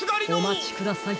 おまちください。